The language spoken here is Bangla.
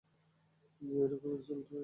জ্বি, এরকমই বলতে পারেন।